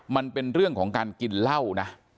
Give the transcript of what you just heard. มันเป็นเรื่องของการกินเหล้านะ